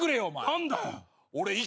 何だよ？